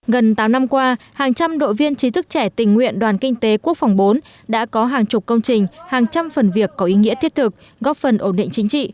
gần tám năm qua hàng trăm đội viên trí thức trẻ tình nguyện đoàn kinh tế quốc phòng bốn đã có hàng chục công trình hàng trăm phần việc có ý nghĩa thiết thực góp phần ổn định chính trị